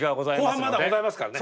後半まだございますからね。